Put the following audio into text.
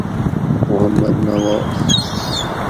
محمد نواز